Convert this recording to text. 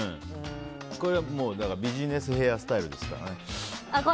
これはビジネスヘアスタイルですからね。